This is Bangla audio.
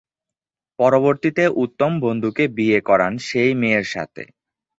পরবর্তীতে উত্তম বন্ধুকে বিয়ে করান সেই মেয়ের সাথে।